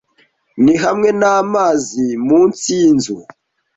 ni hamwe namazi munsi yinzu